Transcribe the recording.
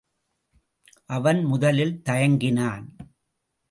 அவன் முதலில் தயங்கினான்.